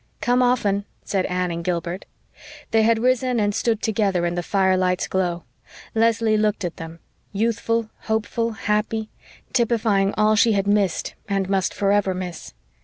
"Come often," said Anne and Gilbert. They had risen and stood together in the firelight's glow. Leslie looked at them youthful, hopeful, happy, typifying all she had missed and must forever miss.